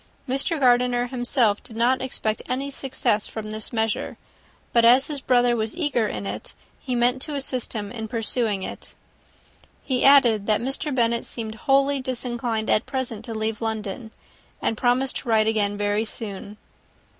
Mr. Gardiner himself did not expect any success from this measure; but as his brother was eager in it, he meant to assist him in pursuing it. He added, that Mr. Bennet seemed wholly disinclined at present to leave London, and promised to write again very soon.